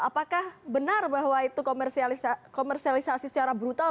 apakah benar bahwa itu komersialisasi secara brutal